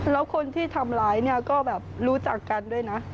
แล้วคนที่ทำร้ายเนี่ยก็แบบรู้จักกันด้วยนะ